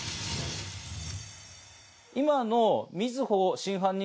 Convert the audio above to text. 今の。